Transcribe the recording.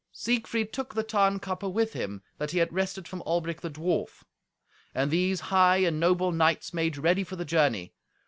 Siegfried took the Tarnkappe with him that he had wrested from Albric the dwarf. And these high and noble knights made ready for the journey.